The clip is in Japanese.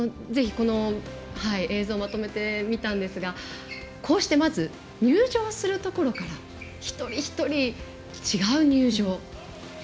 映像をまとめてみたんですがこうしてまず入場するところから一人一人違う入場。